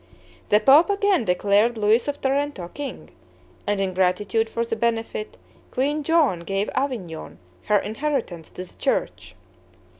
The pope again declared Louis of Tarento, king, and in gratitude for the benefit, Queen Joan gave Avignon, her inheritance, to the church.